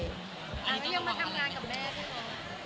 นางยังมาทำงานกับแม่ด้วยเหรอ